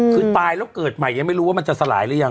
คือตายแล้วเกิดใหม่ยังไม่รู้ว่ามันจะสลายหรือยัง